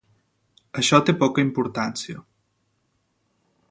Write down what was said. Això té poca importància.